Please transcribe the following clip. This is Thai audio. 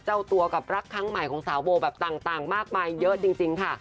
เจ้าตัวกับรักครั้งใหม่ของสาวโบแบบต่างมากมายเยอะจริงค่ะ